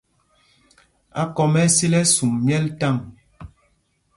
Akɔm ɛ́ ɛ́ sil ɛsum myɛl taŋ.